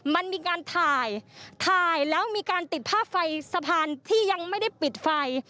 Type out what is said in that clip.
มันมีการถ่ายถ่ายแล้วมีการติดภาพไฟสะพานที่ยังไม่ได้ปิดไฟ